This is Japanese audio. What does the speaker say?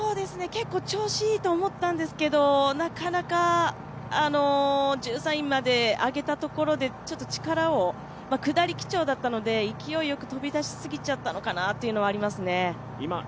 結構調子いいと思ったんですけど、１３位まで上げたところでちょっと力を、下り基調だったので勢いよく飛び出し過ぎちゃったのかなと感じますね。